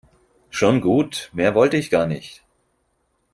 Schon gut, mehr wollte ich gar nicht.